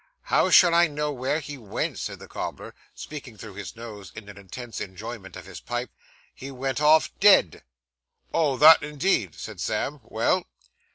'How should I know where he went?' said the cobbler, speaking through his nose in an intense enjoyment of his pipe. 'He went off dead.' 'Oh, that indeed,' said Sam. 'Well?